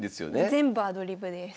全部アドリブです。